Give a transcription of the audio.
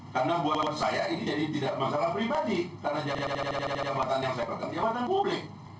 karena buat saya ini jadi tidak masalah pribadi karena jabatan yang saya perkenalkan jabatan publik